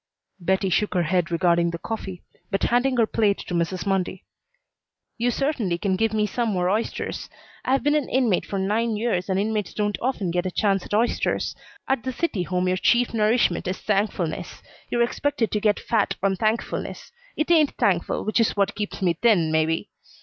Bettie shook her head regarding the coffee, but handed her plate to Mrs. Mundy. "You certainly can give me some more oysters. I've been an Inmate for nine years and Inmates don't often have a chance at oysters. At the City Home your chief nourishment is thankfulness. You're expected to get fat on thankfulness. I ain't thankful, which is what keeps me thin, maybe."